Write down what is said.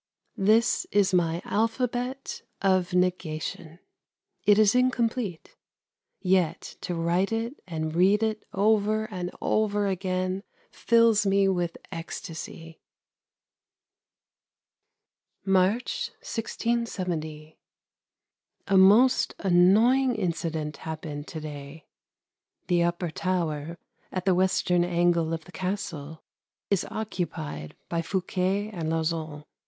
That is my alphabet of negation. It is incomplete. Yet to write it and read it over and over again fills me with ecstasy. March, 1670. A most annoying incident happened to day. The upper tower, at the western angle of the Castle, is occupied by Fouquet and Lauzun.